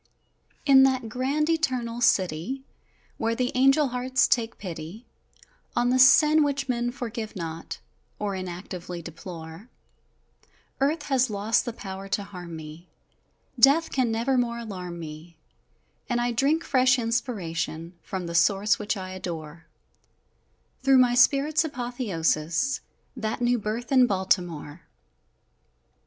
In that grand, Eternal City, Where the angel hearts take pity On the sin which men forgive not, Or inactively deplore, Earth has lost the power to harm me! Death can never more alarm me, And I drink fresh inspiration From the Source which I adore Through my Spirit's apothéosis That new birth in Baltimore!